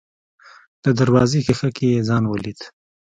د دروازې ښيښه کې يې ځان وليد.